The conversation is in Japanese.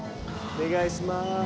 お願いしまーす。